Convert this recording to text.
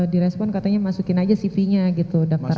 di respon katanya masukin aja cvnya gitu daftar aja gitu